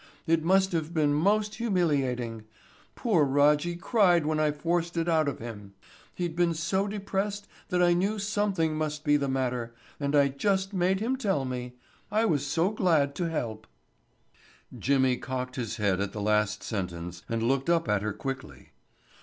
It must have been most humiliating. Poor Rajjy cried when I forced it out of him. He'd been so depressed that I knew something must be the matter, and I just made him tell me. I was so glad to help." Jimmy cocked his head at the last sentence and looked up at her quickly.